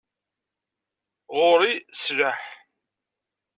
Ɣur-i sslaḥ.